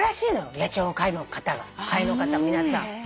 野鳥の会の方が会の方皆さん。